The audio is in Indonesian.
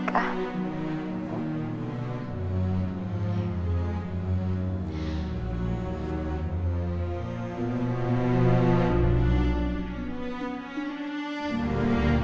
kalau kamu bisa sekian menikah